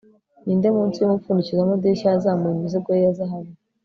ninde munsi yumupfundikizo wamadirishya yazamuye imizigo ye ya zahabu